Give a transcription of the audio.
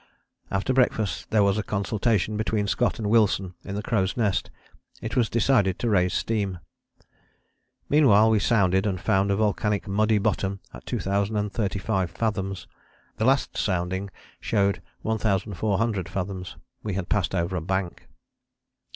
After breakfast there was a consultation between Scott and Wilson in the crow's nest. It was decided to raise steam. Meanwhile we sounded, and found a volcanic muddy bottom at 2035 fathoms. The last sounding showed 1400 fathoms; we had passed over a bank.